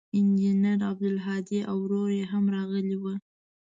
انجنیر عبدالهادي او ورور یې هم راغلي ول.